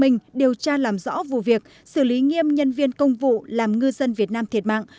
minh điều tra làm rõ vụ việc xử lý nghiêm nhân viên công vụ làm ngư dân việt nam thiệt mạng